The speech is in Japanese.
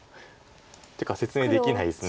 っていうか説明できないです。